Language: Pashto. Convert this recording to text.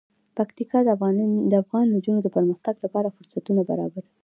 پکتیکا د افغان نجونو د پرمختګ لپاره فرصتونه برابروي.